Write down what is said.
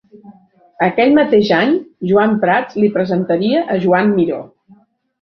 Aquell mateix any Joan Prats li presentaria a Joan Miró.